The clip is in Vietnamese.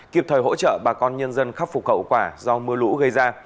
kịp thời hỗ trợ bà con nhân dân khắc phục hậu quả do mưa lũ gây ra